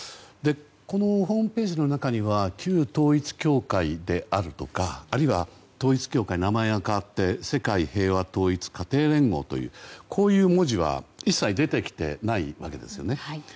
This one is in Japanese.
このホームページの中には旧統一教会であるとかあるいは、統一教会名前が変わって世界平和統一家庭連合というこういう文字は一切出てきていないわけですよね。